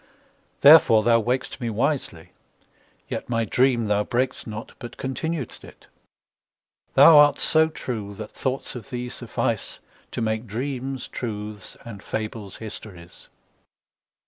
Therefore thou waked'st me wisely; yetMy dream thou brak'st not, but continued'st it:Thou art so true that thoughts of thee sufficeTo make dreams truths and fables histories.